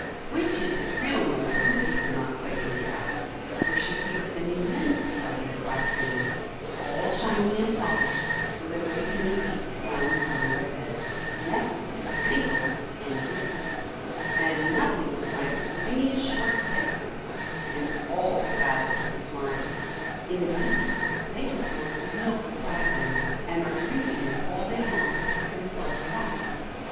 Which is his real mother Lucy cannot quite make out, for she sees an immense party of black women, all shiny and polished, with a great many beads wound round their heads, necks, ankles, and wrists; and nothing besides the tiniest short petticoats: and all the fattest are the smartest; indeed, they have gourds of milk beside them, and are drinking it all day long to keep themselves fat.